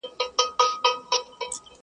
چي فکرونه د نفاق پالي په سر کي؛